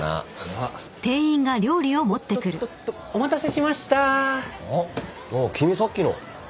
あっ君さっきの。